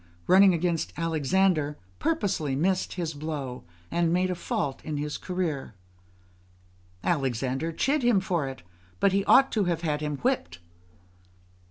] running against Alexander, purposely missed his blow, and made a fault in his career; Alexander chid him for it, but he ought to have had him whipped.